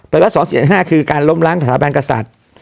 ปฏิวัฏ๒๔๕๕คือการล้มร้างสาบานกศัตริย์